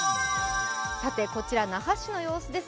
さて、こちら那覇市の様子です。